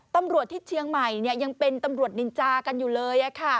ตำรวจที่เชียงใหม่ยังเป็นตำรวจนินจากันอยู่เลย